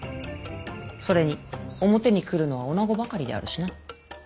それに表に来るのは女ばかりであるしな。